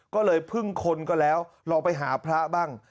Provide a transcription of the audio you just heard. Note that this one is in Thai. ก็เลยพึ่งคนก็แล้วลองไปหาพระบ้าง